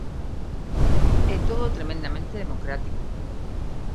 ¡É todo tremendamente democrático!